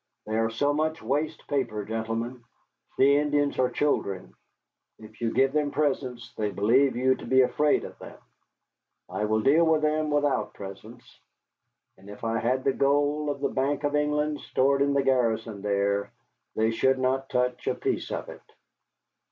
They are so much waste paper. Gentlemen, the Indians are children. If you give them presents, they believe you to be afraid of them. I will deal with them without presents; and if I had the gold of the Bank of England stored in the garrison there, they should not touch a piece of it."